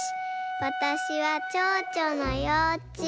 わたしはチョウチョのようちゅう。